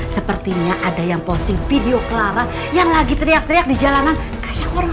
sepertinya ada yang posting video clara yang lagi teriak teriak di jalanan kayak orang